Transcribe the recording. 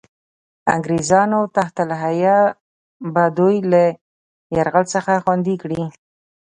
انګرېزانو تحت الحیه به دوی له یرغل څخه خوندي کړي.